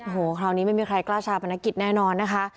โอ้โหคราวนี้ไม่มีใครกล้าชาปนกิจแน่นอนนะคะ